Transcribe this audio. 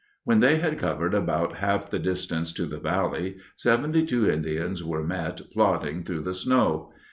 When they had covered about half the distance to the valley, seventy two Indians were met plodding through the snow.